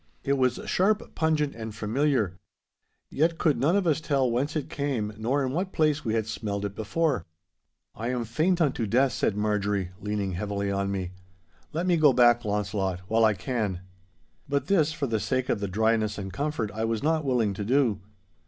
It was sharp, pungent, and familiar. Yet could none of us tell whence it came, nor in what place we had smelled it before. 'I am faint unto death,' said Marjorie, leaning heavily on me. 'Let me go back, Launcelot, while I can.' But this, for the sake of the dryness and comfort, I was not willing to do.